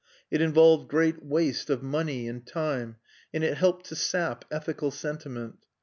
It involved great waste of money and time, and it helped to sap ethical sentiment.